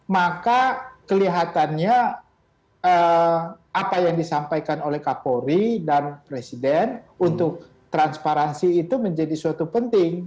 maka kelihatannya apa yang disampaikan oleh kapolri dan presiden untuk transparansi itu menjadi suatu penting